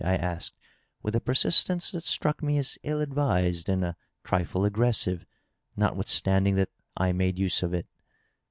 I asked, with a per^ sistence that struck me as ill advised and a trifle aggressive, notwith standing that I made use of it.